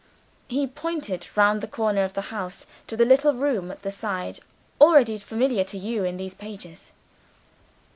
He pointed round the corner of the house to the little room at the side, already familiar to you in these pages.